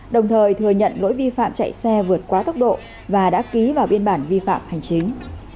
đồng thời thừa nhận lỗi vi phạm chạy xe vượt quá tốc độ và đã ký vào biên bản vi phạm hành chính